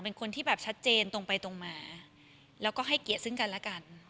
เป็นคนที่แบบชัดเจนตรงไปตรงมาแล้วก็ให้เกียรติซึ่งกันและกัน